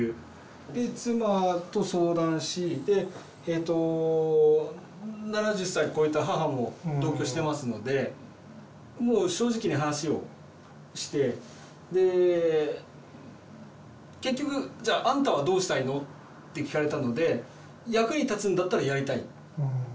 で妻と相談しでえと７０歳超えた母も同居してますのでもう正直に話をしてで「結局じゃああんたはどうしたいの？」って聞かれたので「役に立つんだったらやりたい」。